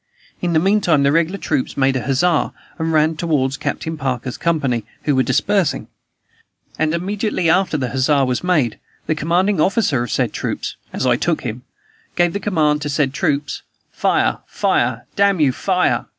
In the meantime, the regular troops made a huzza, and ran toward Captain Parker's company, who were dispersing; and, immediately after the huzza was made, the commanding officer of said troops (as I took him) gave the command to the said troops "Fire! fire! damn you, fire!"